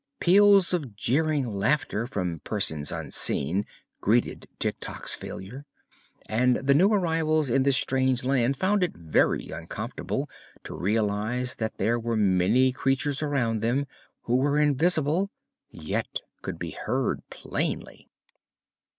Peals of jeering laughter from persons unseen greeted Tik Tok's failure, and the new arrivals in this strange land found it very uncomfortable to realize that there were many creatures around them who were invisible, yet could be heard plainly.